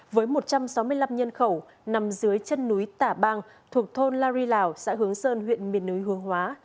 với một trăm sáu mươi năm nhân khẩu nằm dưới chân núi tả bang thuộc thôn la ri lào xã hướng sơn huyện miền núi hướng hóa